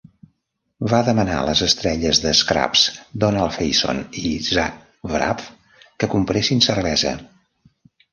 Va demanar les estrelles de "Scrubs"' Donald Faison i Zach Braff que compressin cervesa.